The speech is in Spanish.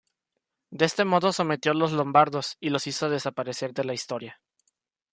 De este modo sometió los lombardos y los hizo desaparecer de la Historia.